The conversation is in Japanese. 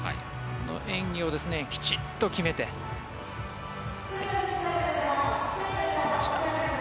演技をきちっと決めてきました。